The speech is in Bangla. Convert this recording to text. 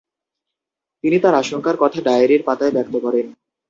তিনি তার আশঙ্কার কথা ডায়েরীর পাতায় ব্যক্ত করেন।